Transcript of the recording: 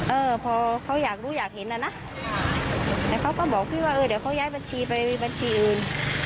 เออพอเขาอยากรู้อยากเห็นน่ะนะแต่เขาก็บอกพี่ว่าเออเดี๋ยวเขาย้ายบัญชีไปมีบัญชีอื่น